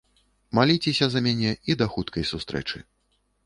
Маліцеся за мяне і да хуткай сустрэчы.